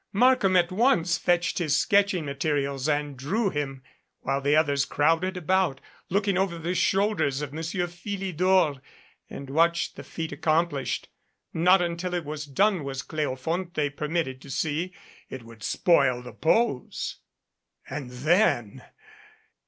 Markham at once fetched his sketching materials and drew him, while the others crowded about, looking over the shoulders of Monsieur Philidor, and watched the feat accomplished. Not until it was done was Cleofonte permitted to see. It would spoil the pose. And then!